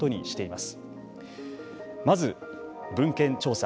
まず文献調査。